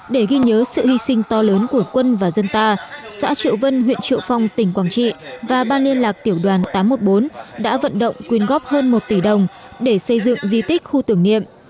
để ghi nhớ sự hy sinh to lớn của quân và dân ta xã triệu vân huyện triệu phong tỉnh quảng trị và ban liên lạc tiểu đoàn tám trăm một mươi bốn đã vận động quyên góp hơn một tỷ đồng để xây dựng di tích khu tưởng niệm